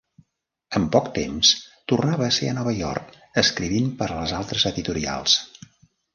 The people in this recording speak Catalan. En poc temps tornava a ser a Nova York, escrivint per a les altres editorials.